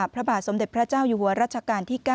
พระบาทสมเด็จพระเจ้าอยู่หัวรัชกาลที่๙